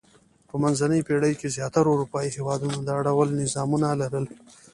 په منځنۍ پېړۍ کې زیاترو اروپايي هېوادونو دا ډول نظامونه لرل.